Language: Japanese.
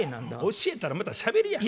教えたらまたしゃべるやん。